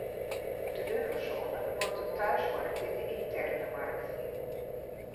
De eurozone wordt een thuismarkt in de interne markt.